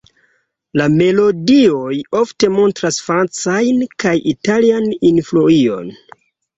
La melodioj ofte montras Francajn kaj Italajn influojn.